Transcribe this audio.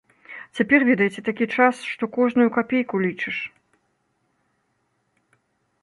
Цяпер, ведаеце, такі час, што кожную капейку лічыш.